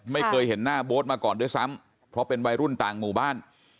ไม่เคยเห็นหน้าโบ๊ทมาก่อนด้วยซ้ำเพราะเป็นวัยรุ่นต่างหมู่บ้าน